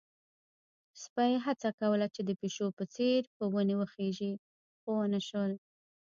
سپی هڅه کوله چې د پيشو په څېر په ونې وخيژي، خو ونه شول.